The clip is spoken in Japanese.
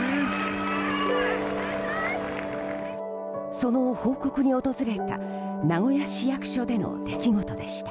その報告に訪れた名古屋市役所での出来事でした。